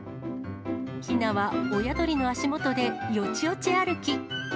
ひなは親鳥の足元でよちよち歩き。